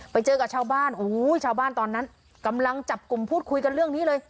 ไปเจอกับชาวบ้านโอ้โหชาวบ้านตอนนั้นกำลังจับกลุ่มพูดคุยกันเรื่องนี้เลย